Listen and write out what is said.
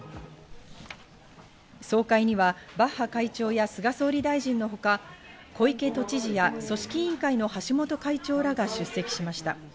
総会にはバッハ会長や菅総理大臣のほか、小池都知事や組織委員会の橋本会長らが出席しました。